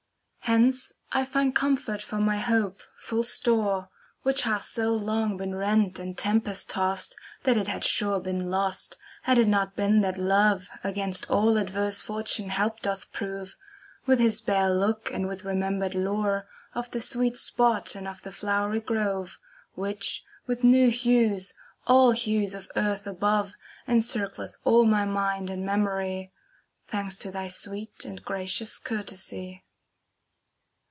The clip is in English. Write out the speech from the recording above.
Hence I find comfort for my hope, full store. Which hath so long been rent and tempest tost, »° That it had sure been lost. Had it not been that Love Against all adverse fortune help doth prove. With his bare look and with remembered lore Of the sweet spot and of the flowery grove, '* Which, with new hues, all hues of earth above, Encircleth all my mind and memory, Thanks to thy sweet and gracious courtesy.